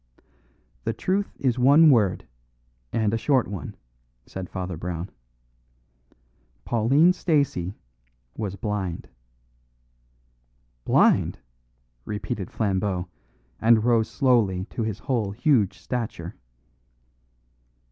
"The truth is one word, and a short one," said Father Brown. "Pauline Stacey was blind." "Blind!" repeated Flambeau, and rose slowly to his whole huge stature.